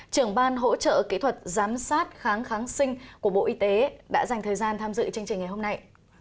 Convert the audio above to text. trưởng ban hỗ trợ kỹ thuật giám sát kháng kháng sinh của bộ y tế đã dành thời gian tham dự chương trình ngày hôm nay